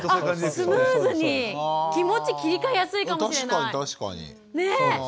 気持ち切り替えやすいかもしれない。